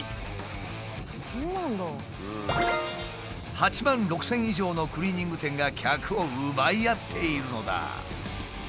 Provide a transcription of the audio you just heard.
８万６，０００以上のクリーニング店が客を奪い合っているのだ。